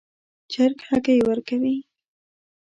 چرګ هګۍ ورکوي